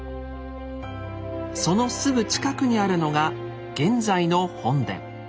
そのすぐ近くにあるのが現在の本殿。